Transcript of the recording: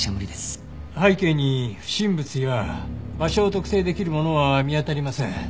背景に不審物や場所を特定できるものは見当たりません。